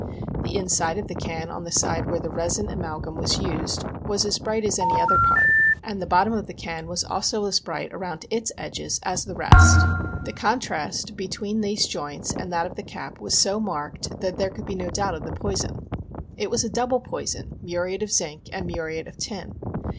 The inside of the can on the side where the resin amalgum was used was as bright as any other part, and the bottom of the can was also as bright around its edges as the rest. The contrast between these joints and that of the cap was so marked there could be no doubt of the poison. It was a double poison — muriate of zinc and muriate of tin.